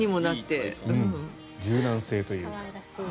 柔軟性というか。